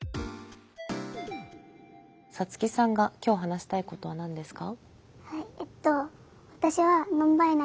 サツキさんが今日話したいことは何ですか？